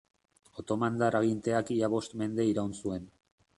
Otomandar aginteak ia bost mende iraun zuen.